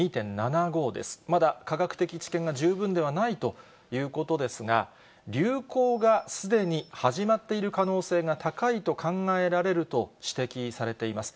まだ科学的知見が十分ではないということですが、流行がすでに始まっている可能性が高いと考えられると指摘されています。